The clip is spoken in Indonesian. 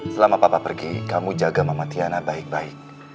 selama papa pergi kamu jaga mama tiana baik baik